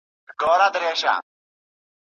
زه ورته په هره ټیکۍ ووهم وړې سلګۍ